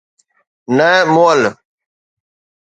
نه مئل